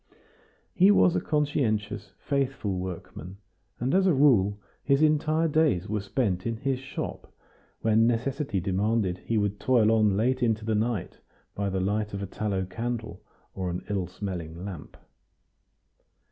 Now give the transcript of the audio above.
He was a conscientious, faithful workman, and, as a rule, his entire days were spent in his shop; when necessity demanded he would toil on late into the night by the light of a tallow candle, or an ill smelling lamp.